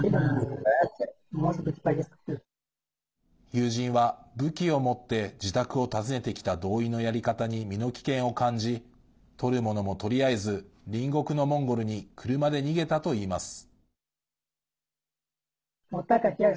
友人は武器を持って自宅を訪ねてきた動員のやり方に身の危険を感じ取るものも取り合えず隣国のモンゴルに車で逃げたといいます。